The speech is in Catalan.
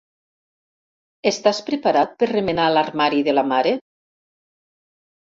Estàs preparat per remenar l'armari de la mare?